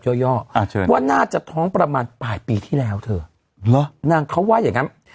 ย่ออ่าเชิญว่าน่าจะท้องประมาณปลายปีที่แล้วเธอเหรอนางเขาว่าอย่างงั้น